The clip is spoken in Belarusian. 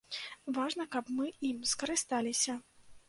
Важна, каб мы ім скарысталіся.